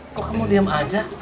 kok kamu diam aja